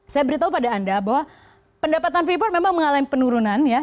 saya beritahu pada anda bahwa pendapatan freeport memang mengalami penurunan ya